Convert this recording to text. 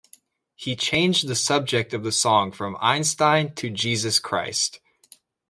He changed the subject of the song from Einstein to Jesus Christ.